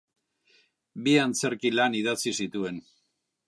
Bi antzerki lan idatzi zituen.